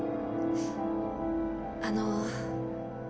あの。